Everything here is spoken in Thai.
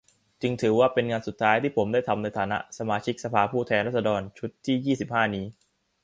จึงถือว่าเป็นงานสุดท้ายที่ผมได้ทำในฐานะ สมาชิกสภาผู้แทนราษฎรชุดที่ ยี่สิบห้า นี้